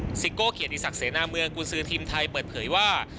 ซิโก้เกียรติศักดิเสนาเมืองกุศือทีมไทยเปิดเผยว่า